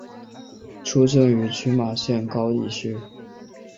出身于群马县高崎市。